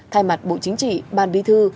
thay mặt bộ chính trị ban bí thư